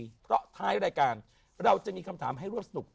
เพราะท้ายรายการเราจะมีคำถามให้ร่วมสนุก